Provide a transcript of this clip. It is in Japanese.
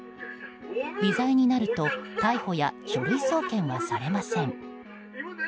微罪になると逮捕や書類送検はされません。